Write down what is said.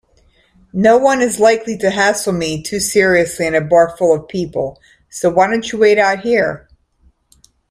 Noone is likely to hassle me too seriously in a bar full of people, so why don't you wait out here?